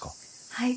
はい。